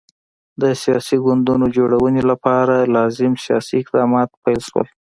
د سیاسي ګوندونو جوړونې لپاره لازم سیاسي اقدامات پیل شول.